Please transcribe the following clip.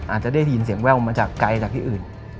อาจจะได้ยินเสียงแว่วมาจากไกลจากที่อื่น